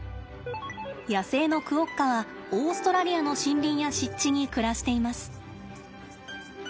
野生のクオッカはオーストラリアの森林や湿地に暮らしています。